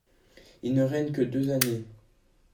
Il ne règne que deux années.